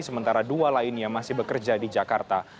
sementara dua lainnya masih bekerja di jakarta